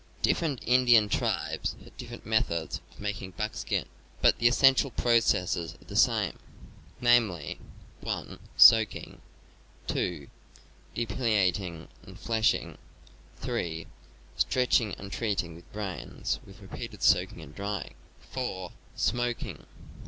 Different Indian tribes have different methods of making buckskin, but the essential processes are the same, namely: (1) soaking, (2) depilating and flesh TROPHIES, BUCKSKIN, RAWHIDE 281 ing, (3) stretching and treating with brains, with re peated soaking and drying, (4) smoking.